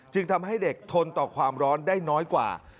ทำให้เด็กทนต่อความร้อนได้น้อยกว่า